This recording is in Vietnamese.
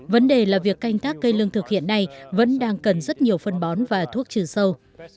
vấn đề là việc canh tác cây lương thực hiện nay vẫn đang cần rất nhiều phân bón và thuốc trừ sâu